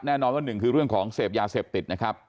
แน่นอนว่าหนึ่งคือเรื่องของเสพยาเสพติดนะครับ